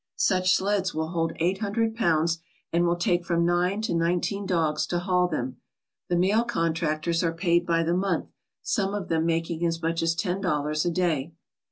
Such sleds will hold eight hundred pounds, and it will take from nine to nineteen dogs to haul them. The mail contractors are paid by the month, some of them making as much as ten dollars a day.